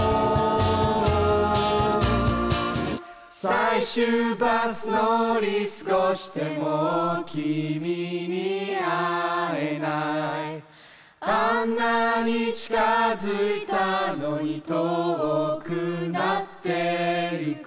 「最終バス乗り過ごして」「もう君に会えない」「あんなに近づいたのに遠くなってゆく」